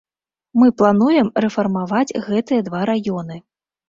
Мы плануем рэфармаваць гэтыя два раёны.